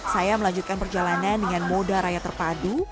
saya melanjutkan perjalanan dengan moda raya terpadu